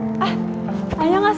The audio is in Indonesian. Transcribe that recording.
terus gimana cara mereka putus